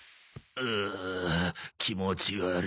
うう気持ち悪い。